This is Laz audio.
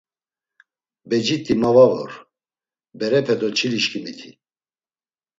Becit̆i ma va vor, berepe do çili şǩimiti!